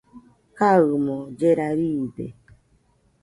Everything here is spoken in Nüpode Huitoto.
kaɨmo llera riide